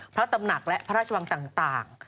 พระตำหนักและพระราชวังต่าง